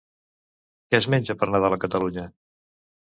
Què es menja per Nadal a Catalunya?